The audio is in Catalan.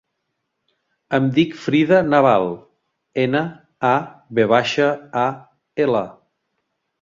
Em dic Frida Naval: ena, a, ve baixa, a, ela.